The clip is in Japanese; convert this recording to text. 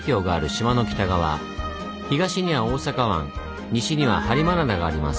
東には大阪湾西には播磨灘があります。